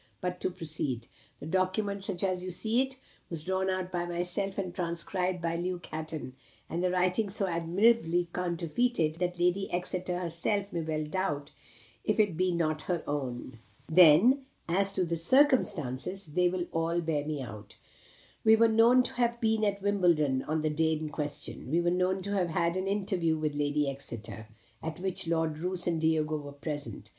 But to proceed. The document, such as you see it, was drawn out by myself and transcribed by Luke Hatton, and the writing so admirably counterfeited that Lady Exeter herself may well doubt if it be not her own. Then, as to the circumstances, they will all bear me out. We were known to have been at Wimbledon on the day in question. We were known to have had an interview with Lady Exeter, at which Lord Roos and Diego were present.